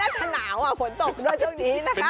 เขาล่ะจะหนาวอ่ะผลตกด้วยเฉย